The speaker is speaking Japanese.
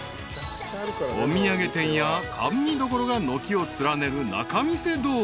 ［お土産店や甘味どころが軒を連ねる仲見世通り］